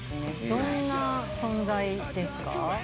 どんな存在ですか？